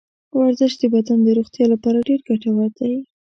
ورزش د بدن د روغتیا لپاره ډېر ګټور دی.